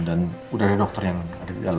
dan udah ada dokter yang ada di dalam